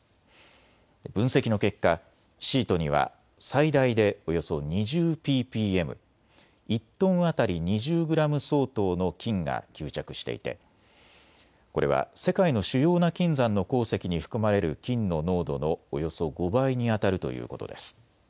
分析の結果、シートには最大でおよそ２０ｐｐｍ、１トン当たり２０グラム相当の金が吸着していてこれは世界の主要な金山の鉱石に含まれる金の濃度のおよそ５倍にあたるということです。